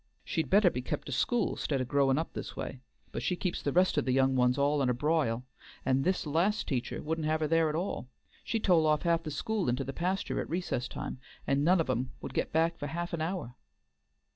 She'd better be kept to school, 'stead o' growin' up this way; but she keeps the rest o' the young ones all in a brile, and this last teacher wouldn't have her there at all. She'd toll off half the school into the pasture at recess time, and none of 'em would get back for half an hour."